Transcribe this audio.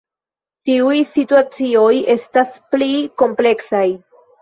Tiuj situacioj estas pli kompleksaj.